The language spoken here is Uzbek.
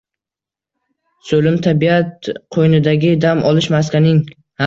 So‘lim tabiat qo‘ynidagi dam olish maskaning